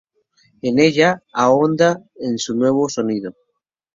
En ella, ahonda en su nuevo sonido.